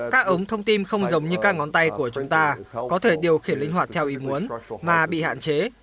các ống thông tin không giống như các ngón tay của chúng ta có thể điều khiển linh hoạt theo ý muốn mà bị hạn chế